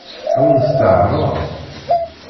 Ad wen-t-teɛṛeḍ?